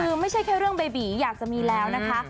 คือไม่ใช่แค่เรื่องเบบีอยากจะมีแล้วนะคะ